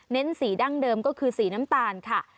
สีดั้งเดิมก็คือสีน้ำตาลค่ะ